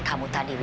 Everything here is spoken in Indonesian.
gak sopan deh